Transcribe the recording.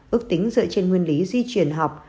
ước tính dựa trên nguyên lý di truyền học